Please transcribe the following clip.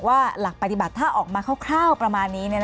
หลักปฏิบัติถ้าออกมาคร่าวประมาณนี้